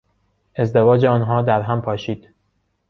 ازدواج آنها در هم پاشید.